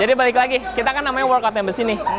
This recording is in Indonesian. jadi balik lagi kita kan namanya workout members ini